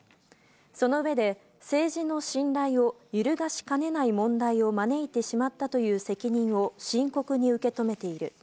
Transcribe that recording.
その上で、政治の信頼を揺るがしかねない問題を招いてしまったという責任を深刻に受け止めている。